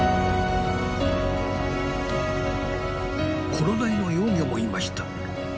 コロダイの幼魚もいました。